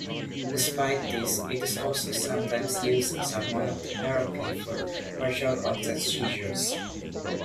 Despite this it is also sometimes used as a monotherapy for partial-onset seizures.